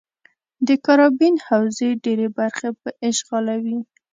د کارابین حوزې ډېرې برخې به اشغالوي.